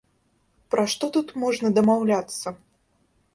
Пра што тут можна дамаўляцца?